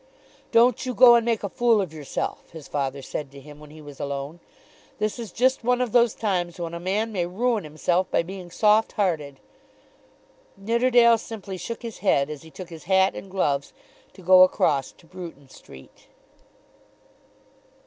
"Don't you go and make a fool of yourself," his father said to him when he was alone. "This is just one of those times when a man may ruin himself by being soft hearted." Nidderdale simply shook his head as he took his hat and gloves to go across to Bruton Street.